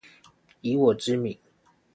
以我之名